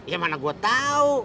ya mana gua tau